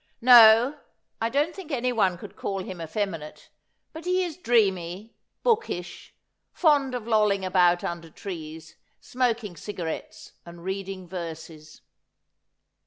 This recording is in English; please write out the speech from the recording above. ' No ; I don't think anyone could call him effeminate ; but he is dreamy, bookish, fond of lolling about under trees, smok ing cigarettes and reading verses.'